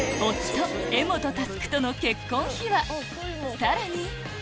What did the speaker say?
さらに